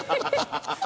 ハハハハ！